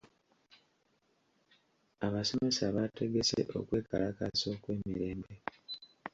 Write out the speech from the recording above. Abasomesa baategese okwekalakaasa okw'emirembe.